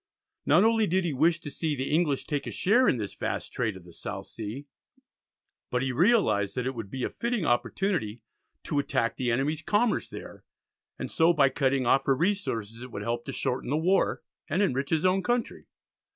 Not only did he wish to see the English take a share in this vast trade of the South Sea, but he realised that it would be a fitting opportunity to attack the enemies' commerce there, and so by cutting off her resources it would help to shorten the war, and enrich his own country.